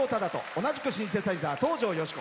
同じくシンセサイザー、東条慶子。